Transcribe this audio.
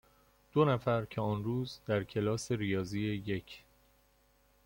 دو نفر که آن روز در کلاس ریاضی یک،